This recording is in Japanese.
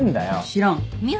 知らん。